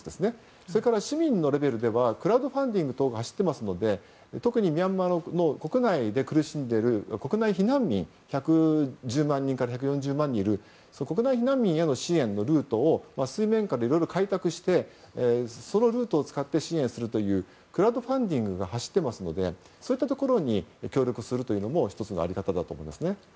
それから、市民レベルではクラウドファンディング等が走ってますので特にミャンマーの国内で苦しんでいる国内避難民１１０万人から１４０万人いますがその国内避難民へのルートを水面下でいろいろ改革してそのルートを使って支援するというクラウドファンディングが走っていますのでそういったところに協力するのも１つの在り方だと思います。